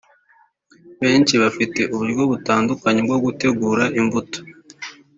Benshi bafite uburyo butandukanye bwo gutegura imbuto